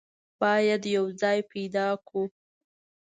بايد يو ځای پيدا کو.